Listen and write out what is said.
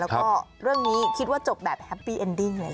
แล้วก็เรื่องนี้คิดว่าจบแบบแฮปปี้เอ็นดิ้งเลย